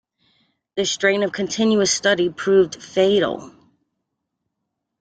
The strain of continuous study proved fatal.